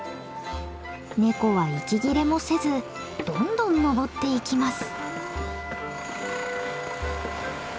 ネコは息切れもせずどんどん上っていきます。